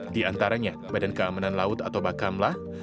di antaranya badan keamanan laut badan keamanan laut dan badan keamanan laut